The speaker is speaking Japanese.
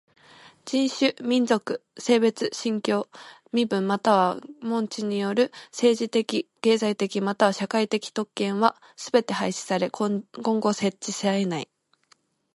人種、民族、性別、信教、身分または門地による政治的経済的または社会的特権はすべて廃止され今後設置されえない。